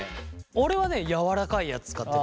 俺はねやわらかいやつ使ってる。